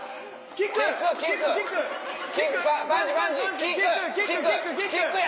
キックや！